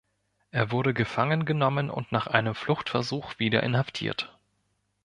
Er wurde gefangen genommen und nach einem Fluchtversuch wieder inhaftiert.